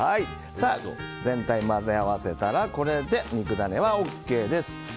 全体を混ぜ合わせたらこれで肉ダネはＯＫです。